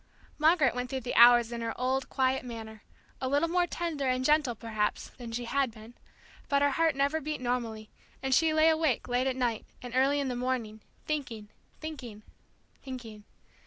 Margaret went through the hours in her old, quiet manner, a little more tender and gentle perhaps than she had been; but her heart never beat normally, and she lay awake late at night, and early in the morning, thinking, thinking, thinking.